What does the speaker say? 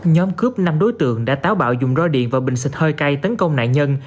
nhóm cướp năm đối tượng đã táo bạo dùng roi điện và bình xịt hơi cay tấn công nạn nhân